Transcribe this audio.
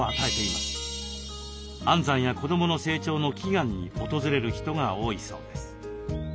安産や子どもの成長の祈願に訪れる人が多いそうです。